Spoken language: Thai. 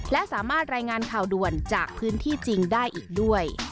และสามารถรายงานข่าวด่วนจากพื้นที่จริงได้อีกด้วย